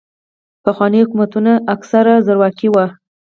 پخواني حکومتونه اکثراً زورواکي وو.